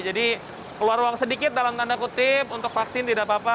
jadi keluar ruang sedikit dalam tanda kutip untuk vaksin tidak apa apa